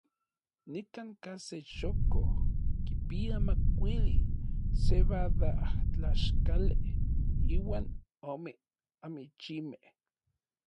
Nikankaj se chokoj kipia makuili sebadajtlaxkali iuan ome amichimej.